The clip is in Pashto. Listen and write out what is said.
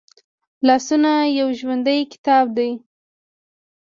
لاسونه یو ژوندی کتاب دی